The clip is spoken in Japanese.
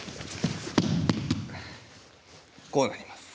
こうなります。